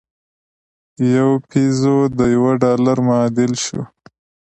یو پیزو د یوه ډالر معادل شو.